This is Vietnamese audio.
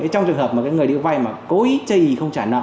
trong trường hợp người đi vay mà cố ý chơi ý không trả nợ